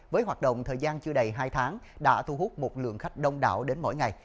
với hoạt động thời gian chưa đầy hai tháng đã thu hút một lượng khách đông đảo đến mỗi ngày